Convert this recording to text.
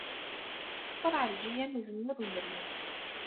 Tṣeffer Ɛelǧiya n Uzemmur Umeryem.